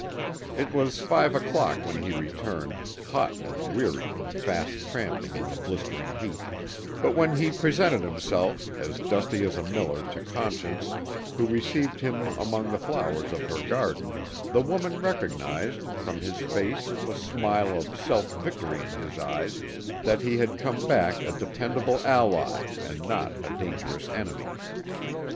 It was five o'clock when he returned, hot and weary from fast tramping in the blistering heat, but when he presented himself, as dusty as a miller to Conscience, who received him among the flowers of her garden, the woman recognized, from his face and the smile of self victory in his eyes, that he had come back a dependable ally and not a dangerous enemy.